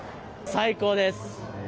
最高です。